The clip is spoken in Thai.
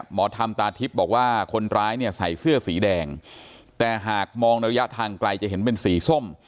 หมอธรรมตาทิพย์บอกว่าคนร้ายเนี่ยใส่เสื้อสีแดงแต่หากมองระยะทางไกลจะเห็นเป็นสีส้ม